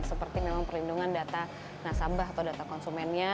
seperti memang perlindungan data nasabah atau data konsumennya